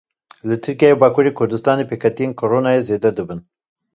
Li Tirkiye û Bakurê Kurdistanê pêketiyên Koronayê zêde dibin.